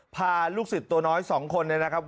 พาลูกสิทธิ์ตัวน้อยสองคนนะครับ